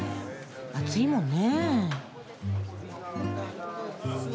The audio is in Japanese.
暑いもんね。